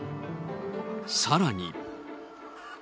さらに。